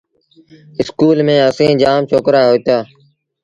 اسڪول ميݩ اسيٚݩ جآم ڇوڪرآ هوئيٚتآ۔